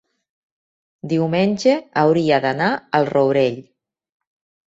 diumenge hauria d'anar al Rourell.